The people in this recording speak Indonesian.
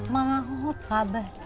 makanya sudah berubah